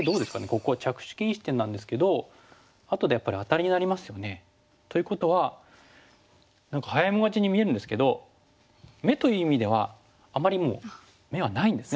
ここは着手禁止点なんですけどあとでやっぱりアタリになりますよね。ということは何か早い者勝ちに見えるんですけど眼という意味ではあまりもう眼はないんですね